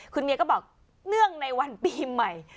คุณเมียก็บอกเนื่องในวันปีใหม่